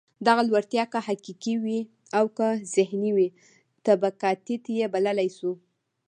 دغه لوړتیا که حقیقي وي او که ذهني وي، طبقاتيت یې بللای شو.